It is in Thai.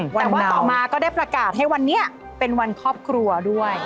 แต่ว่าต่อมาก็ได้ประกาศให้วันนี้เป็นวันครอบครัวด้วย